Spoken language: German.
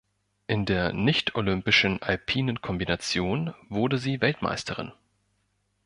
In der nichtolympischen Alpinen Kombination wurde sie Weltmeisterin.